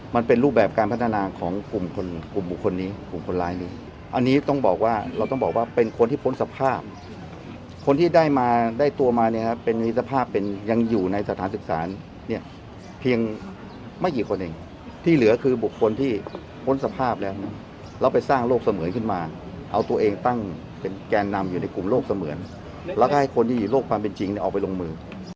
มันเป็นรูปแบบการพัฒนาของกลุ่มบุคคลนี้กลุ่มคนร้ายนี้อันนี้ต้องบอกว่าเราต้องบอกว่าเป็นคนที่พ้นสภาพคนที่ได้มาได้ตัวมาเนี่ยเป็นมีสภาพเป็นยังอยู่ในสถานศึกษาเนี่ยเพียงไม่กี่คนเองที่เหลือคือบุคคลที่พ้นสภาพแล้วเราไปสร้างโลกเสมือนขึ้นมาเอาตัวเองตั้งเป็นแกนนำอยู่ในกลุ่มโลกเสมือนแล